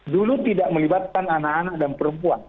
dulu tidak melibatkan anak anak dan perempuan